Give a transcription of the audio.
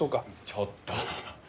ちょっと。